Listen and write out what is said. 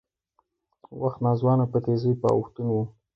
وخت ناځوانه په تېزۍ په اوښتون و